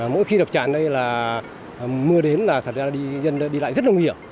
mỗi khi đập tràn đây là mưa đến là thật ra là dân đi lại rất là nguy hiểm